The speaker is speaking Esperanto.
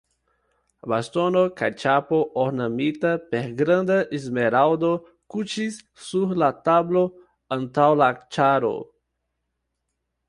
Bastono kaj ĉapo, ornamita per granda smeraldo, kuŝis sur la tablo antaŭ la caro.